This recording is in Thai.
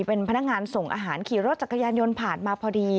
เป็นพนักงานส่งอาหารขี่รถจักรยานยนต์ผ่านมาพอดี